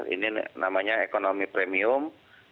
ini namanya ekonomi premium